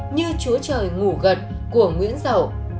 như chúa trời ngủ gật của nguyễn dậu